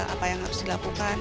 apa yang harus dilakukan